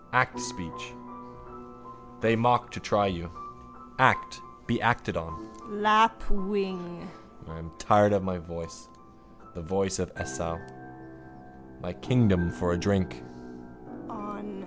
Act speech. They mock to try you. Act. Be acted on. Lapwing. I am tired of my voice, the voice of Esau. My kingdom for a drink.